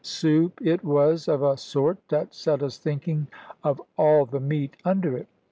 Soup it was of a sort, that set us thinking of all the meat under it.